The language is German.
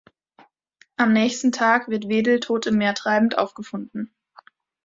Am nächsten Tag wird Wedel tot im Meer treibend aufgefunden.